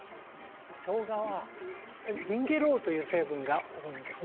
しょうがはジンゲロールという成分が多いんですね。